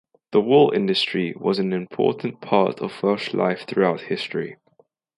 The Wool Industry was an important part of Welsh life throughout history.